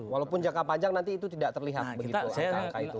walaupun jangka panjang nanti itu tidak terlihat begitu angka angka itu